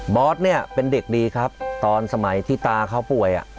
อสเนี่ยเป็นเด็กดีครับตอนสมัยที่ตาเขาป่วย